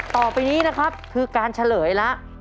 ต่อไปนี้นะครับคือการเฉลยแล้ว